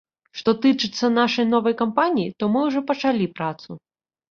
Што тычыцца нашай новай кампаніі, то мы ўжо пачалі працу.